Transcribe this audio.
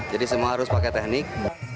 jadi semua harus pakai teknik